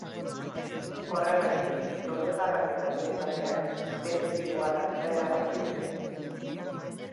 Horregaitik, tolosarrak eta bere taldeak, beste bide bat hartzea erabaki dute.